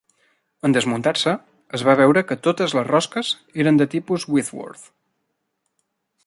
En desmuntar-se, es va veure que totes les rosques eren de tipus Whitworth.